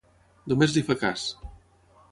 Només li fa cas.